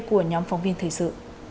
của nhóm phóng viên thời sự